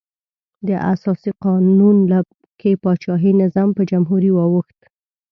د اساسي قانون کې پاچاهي نظام په جمهوري واوښت.